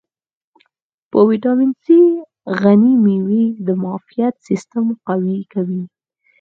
په ویټامین C غني مېوې د معافیت سیستم قوي کوي.